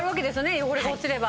汚れが落ちれば。